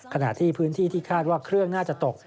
ขณะที่พื้นที่ที่คาดว่าเครื่องน่าจะตก